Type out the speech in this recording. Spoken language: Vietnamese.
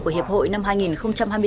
của hiệp hội năm hai nghìn hai mươi bốn